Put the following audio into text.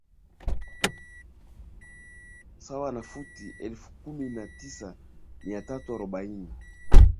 sawana futi elfu kumi na tisa mia tatu arobaini